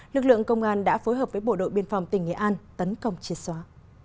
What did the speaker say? lực lượng công an đã phối hợp với bộ đội biên phòng tỉnh nghệ an tấn công chia xóa